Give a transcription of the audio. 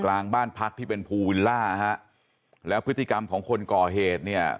กลางบ้านพักที่เป็นภูวิลล่าฮะแล้วพฤติกรรมของคนก่อเหตุเนี่ย